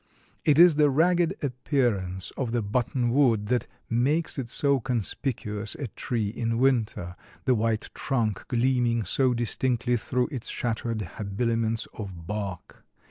It is the ragged appearance of the buttonwood that makes it so conspicuous a tree in winter, the white trunk gleaming so distinctly through its shattered habiliments of bark.